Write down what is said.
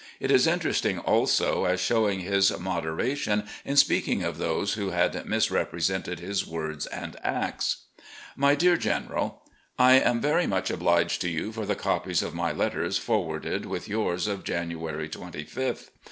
It is interesting, also, as showing his moderation in speaking of those who had misrepresented his words and acts: "My Dear General: I am very much obliged to you for the copies of my letters, forwarded with yours of January 25th.